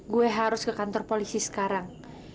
gue harus ke kantor polisi sekarang